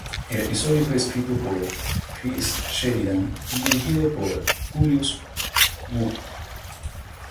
El episodio fue escrito por Chris Sheridan y dirigido por Julius Wu.